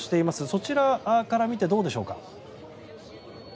そちらから見てどうでしょうか？